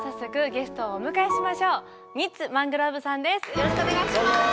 よろしくお願いします。